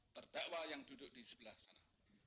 terdakwa yang duduk di sebelah sana